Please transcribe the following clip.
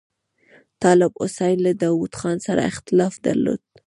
طالب حسین له داوود خان سره اختلاف درلود.